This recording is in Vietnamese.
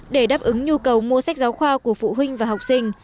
để đáp ứng nhu cầu mua sách giáo khoa của phụ huynh và học sinh